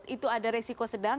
itu ada resiko sedang